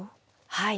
はい。